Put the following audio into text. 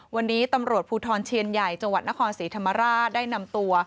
วันนี้ตำรวจภูทรเชียนใหญ่จังหวัดนครศรีธรรมราชได้นำตัว